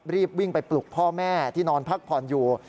รีบวิ่งไปปลุกพ่อแม่ที่นอนพักผ่อนอยู่